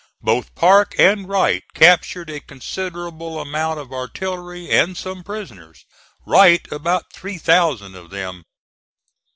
Both Parke and Wright captured a considerable amount of artillery and some prisoners Wright about three thousand of them.